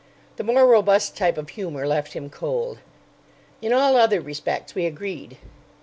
The more robust type of humour left him cold. In all other respects we agreed.